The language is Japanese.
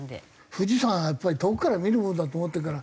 富士山はやっぱり遠くから見るものだと思ってるから。